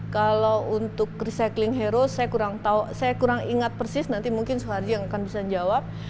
kalau untuk recycling hero saya kurang ingat persis nanti mungkin soehari yang akan bisa jawab